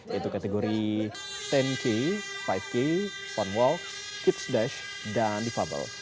yaitu kategori sepuluh k lima k fun walk kids dash dan defable